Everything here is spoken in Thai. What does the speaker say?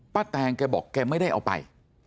ป้าแตงก็บอกแกไม่ได้เอาไป